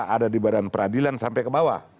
ada di badan peradilan sampai ke bawah